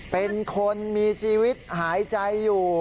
เป็นคนมีชีวิตหายใจอยู่